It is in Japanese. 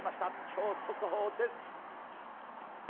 超速報です。